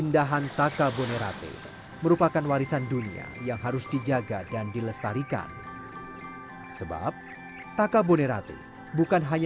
dan juga untuk menjaga keuntungan